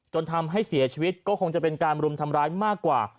จนทำให้เสียชีวิตก็คงจะเป็นการรุมทำร้ายมากกว่า